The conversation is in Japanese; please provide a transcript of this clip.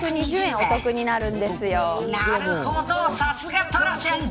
なるほどさすがトラちゃん。